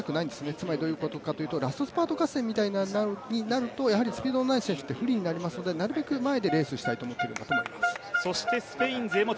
つまりどういうことかというと、ラストスパート合戦のようになるとやはりスピードのない選手が不利になるので、なるべく前でレースしたいと思っていると思います。